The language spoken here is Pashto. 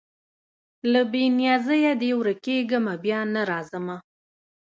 له بې نیازیه دي ورکېږمه بیا نه راځمه